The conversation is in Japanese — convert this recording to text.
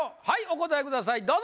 はいお答えください